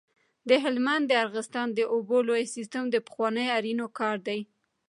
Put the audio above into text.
د هلمند د ارغستان د اوبو لوی سیستم د پخوانیو آرینو کار دی